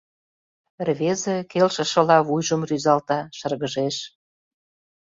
Рвезе, келшышыла, вуйжым рӱзалта, шыргыжеш.